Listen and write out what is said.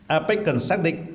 apec cần xác định